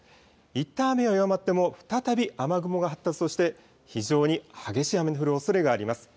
いったん雨が弱まっても、再び雨雲が発達をして、非常に激しい雨の降るおそれがあります。